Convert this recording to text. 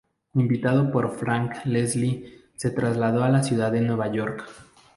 Invitado por Frank Leslie se trasladó a la ciudad de Nueva York.